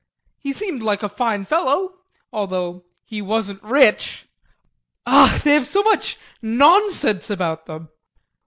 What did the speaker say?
He seemed like a fine fellow although he wasn't rich! Ach! they have so much nonsense about them.